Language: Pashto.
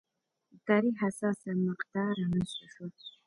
د تاریخ حساسه مقطعه رامنځته شوه.